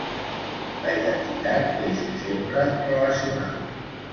La identitat és sempre relacional.